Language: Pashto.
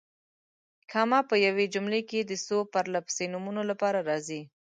کامه په یوې جملې کې د څو پرله پسې نومونو لپاره راځي.